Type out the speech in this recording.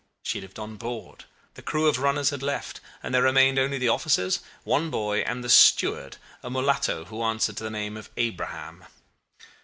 She lived on board. The crew of runners had left, and there remained only the officers, one boy, and the steward, a mulatto who answered to the name of Abraham.